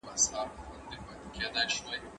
زاهده زما پر ژبه نه راځي توبه له میو